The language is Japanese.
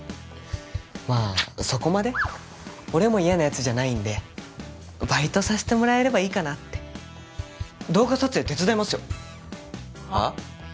まっそこまで俺も嫌なやつじゃないんでバイトさせてもらえればいいかなって動画撮影手伝いますよは？